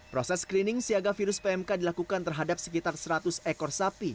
proses screening siaga virus pmk dilakukan terhadap sekitar seratus ekor sapi